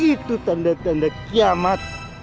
itu tanda tanda kiamat